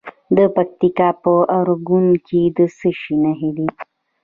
د پکتیکا په ارګون کې د څه شي نښې دي؟